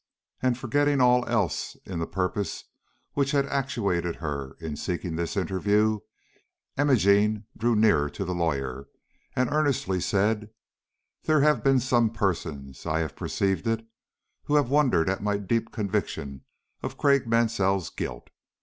And, forgetting all else in the purpose which had actuated her in seeking this interview, Imogene drew nearer to the lawyer and earnestly said: "There have been some persons I have perceived it who have wondered at my deep conviction of Craik Mansell's guilt.